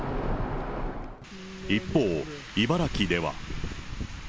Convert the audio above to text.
一方、茨城では。